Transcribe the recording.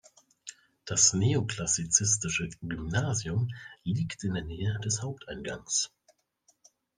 Das neoklassizistische "Gymnasium" liegt in der Nähe des Haupteingangs.